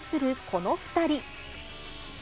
この２人。